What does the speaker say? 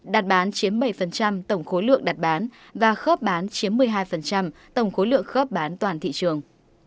đạt bán chiếm bảy tổng khối lượng đặt bán và khớp bán chiếm một mươi hai tổng khối lượng khớp bán toàn thị trường